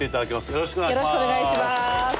よろしくお願いします。